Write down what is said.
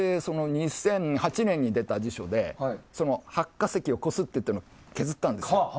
２００８年に出た辞書で発火石をこすってという部分を削ったんです。